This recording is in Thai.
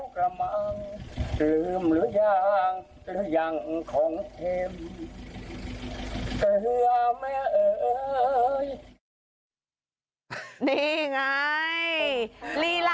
ขายมาตั้งสี่สิบกว่าปีแล้ว